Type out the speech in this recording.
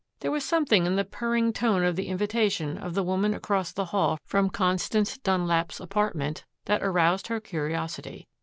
There was something in the purring tone of the invitation of the woman across the hall from Constance Dunlap's apartment that aroused her curiosity.